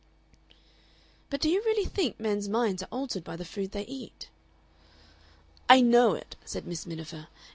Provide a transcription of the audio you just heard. "But do you really think men's minds are altered by the food they eat?" "I know it," said Miss Miniver.